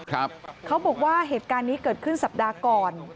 เขาบอกว่าเหตุการณ์นี้เกิดขึ้นสัปดาห์ก่อน